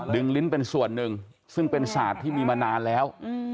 ลิ้นเป็นส่วนหนึ่งซึ่งเป็นศาสตร์ที่มีมานานแล้ว